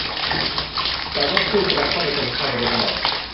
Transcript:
คือจัดว่าพืชกระท่อมเป็นสมุนไพรมาโดยตลอด